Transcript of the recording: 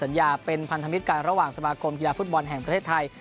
สัญญาเป็นพันธมิตรกันระหว่างสมาคมกีฬาฟุตบอลแห่งประเทศไทย